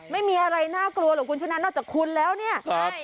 ไม่มีอะไรน่ากลัวณจะนัดคุณเนี่ย